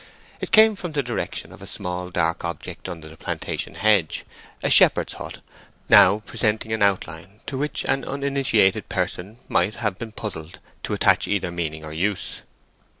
It came from the direction of a small dark object under the plantation hedge—a shepherd's hut—now presenting an outline to which an uninitiated person might have been puzzled to attach either meaning or use.